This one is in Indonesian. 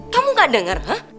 kamu gak dengar hah